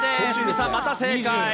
鷲見さん、また正解。